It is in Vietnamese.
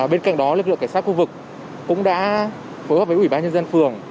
bên cạnh đó lực lượng cảnh sát khu vực cũng đã phối hợp với ủy ban nhân dân phường